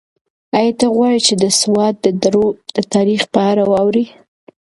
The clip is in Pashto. ایا ته غواړې چې د سوات د درو د تاریخ په اړه واورې؟